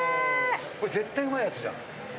これ絶対うまいやつじゃん。